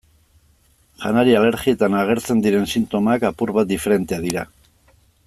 Janari-alergietan agertzen diren sintomak apur bat diferenteak dira.